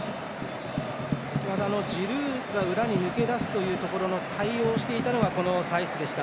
先ほど、ジルーが裏に抜けだすというところの対応をしていたのがこの、サイスでした。